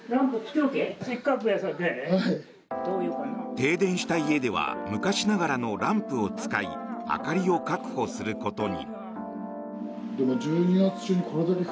停電した家では昔ながらのランプを使い明かりを確保することに。